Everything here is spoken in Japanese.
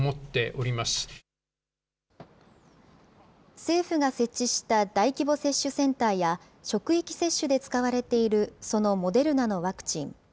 政府が設置した大規模接種センターや職域接種で使われているそのモデルナのワクチン。